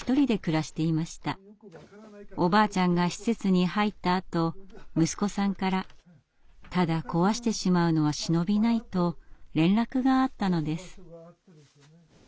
おばあちゃんが施設に入ったあと息子さんからただ壊してしまうのはしのびないと連絡があったのです。